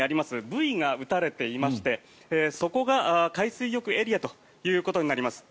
ブイが打たれていましてそこが海水浴エリアということになります。